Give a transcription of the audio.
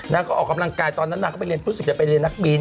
นางก็ออกกำลังกายตอนนั้นนางก็ไปเรียนรู้สึกจะไปเรียนนักบิน